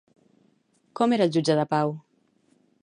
Com era el jutge de pau?